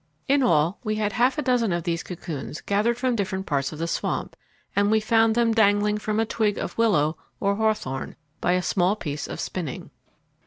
In all we had half a dozen of these cocoons gathered from different parts of the swamp, and we found them dangling from a twig of willow or hawthorn, by a small piece of spinning.